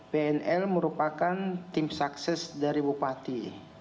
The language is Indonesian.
bnl merupakan tim sukses dari bupati